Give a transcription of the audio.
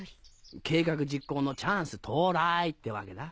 計画実行のチャンス到来ってわけだ。